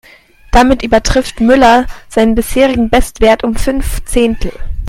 Damit übertrifft Müller seinen bisherigen Bestwert um fünf Zehntel.